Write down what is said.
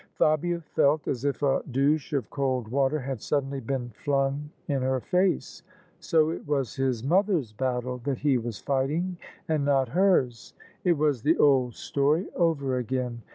" Fabia felt as if a douche of cold water had suddenly been flung in her face. So it was his mother's battle that he was fighting, and not hers! It was the old story over again.